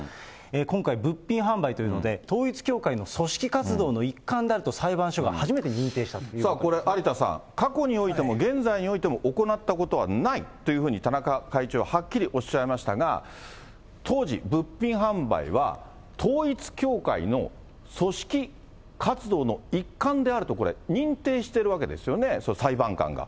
今回、物品販売というので、統一教会の組織活動の一環であると裁これ、有田さん、過去においても現在においても行ったことはないというふうに田中会長、はっきりおっしゃいましたが、当時、物品販売は統一教会の組織活動の一環であると、これ認定しているわけですよね、裁判官が。